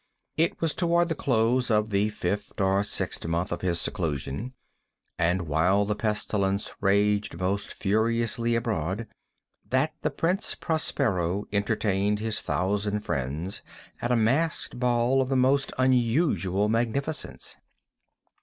It was toward the close of the fifth or sixth month of his seclusion, and while the pestilence raged most furiously abroad, that the Prince Prospero entertained his thousand friends at a masked ball of the most unusual magnificence.